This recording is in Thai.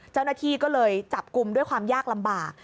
เจ้าหน้าที่ก็เลยจับกลุ่มด้วยความยากลำบาก